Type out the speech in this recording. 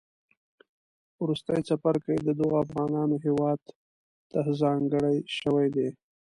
وروستی څپرکی د دغو افغانانو هیواد تهځانګړی شوی دی